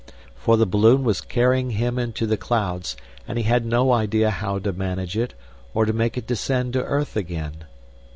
For the balloon was earning him into the clouds, and he had no idea how to manage it, or to make it descend to earth again.